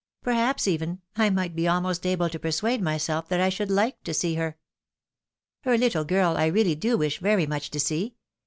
Perhaps, even, I might be almost able to persuade myself that I should hke to see her. Her little girl I really do wish very much to see.